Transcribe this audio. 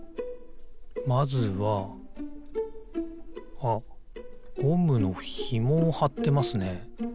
あっゴムのひもをはってますね。